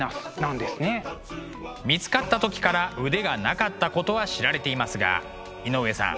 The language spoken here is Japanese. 見つかった時から腕がなかったことは知られていますが井上さん